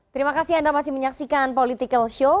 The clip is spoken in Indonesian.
terima kasih anda masih menyaksikan political show